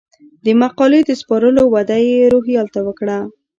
د مقالې د سپارلو وعده یې روهیال ته وکړه.